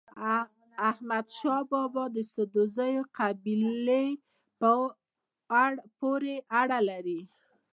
احمد شاه بابا د سدوزيو قبيلې پورې اړه لري.